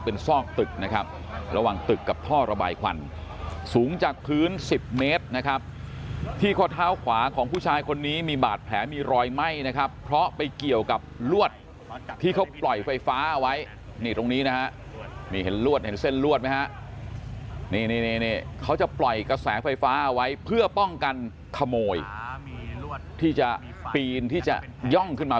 เป็นซอกตึกนะครับระหว่างตึกกับท่อระบายควันสูงจากพื้นสิบเมตรนะครับที่ข้อเท้าขวาของผู้ชายคนนี้มีบาดแผลมีรอยไหม้นะครับเพราะไปเกี่ยวกับลวดที่เขาปล่อยไฟฟ้าเอาไว้นี่ตรงนี้นะฮะนี่เห็นลวดเห็นเส้นลวดไหมฮะนี่เขาจะปล่อยกระแสไฟฟ้าเอาไว้เพื่อป้องกันขโมยที่จะปีนที่จะย่องขึ้นมา